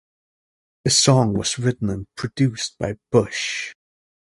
The song was written and produced by Bush.